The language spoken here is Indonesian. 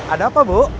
ada apa bu